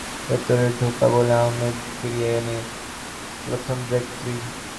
ভেতরে ঢোকা বলে আহমেদ শেহজাদকে ফিরিয়ে এনে দিয়েছেন প্রথম ব্রেক থ্রু।